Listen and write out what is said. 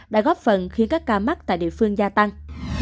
đã góp phần khiến các ca mắc tại địa phương gia tăng